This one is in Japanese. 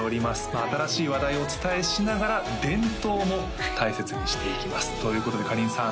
新しい話題をお伝えしながら伝統も大切にしていきますということでかりんさん